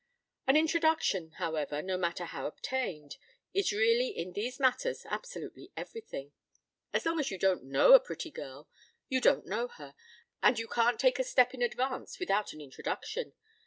p> An introduction, however, no matter how obtained, is really in these matters absolutely everything. As long as you don't know a pretty girl, you don't know her, and you can't take a step in advance without an introduction.